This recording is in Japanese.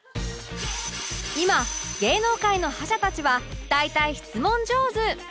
今芸能界の覇者たちは大体質問上手